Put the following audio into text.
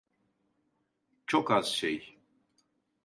Çok az şey.